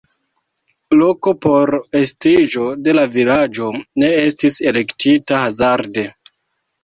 Loko por estiĝo de la vilaĝo ne estis elektita hazarde.